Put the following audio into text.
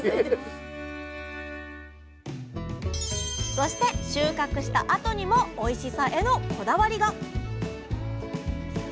そして収穫したあとにもおいしさへのこだわりが！